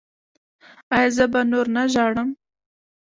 ایا زه به نور نه ژاړم؟